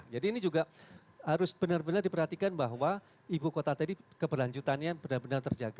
ini juga harus benar benar diperhatikan bahwa ibu kota tadi keberlanjutannya benar benar terjaga